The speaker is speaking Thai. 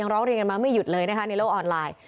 ร้องเรียนกันมาไม่หยุดเลยนะคะในโลกออนไลน์